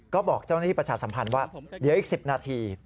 ก็บอกเจ้าหน้าที่ประชาสัมพันธ์ว่าเดี๋ยวอีก๑๐นาที